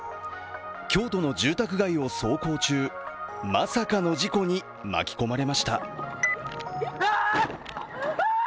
京都の住宅街を走行中、まさかの事故に巻き込まれました。